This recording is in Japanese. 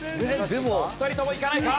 ２人ともいかないか？